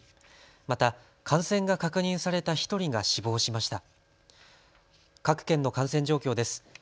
また感染が確認された１人が死亡しました。